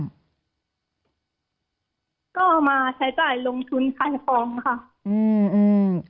ก็เอามาใช้จ่ายลงทุนไทยฟองค่ะ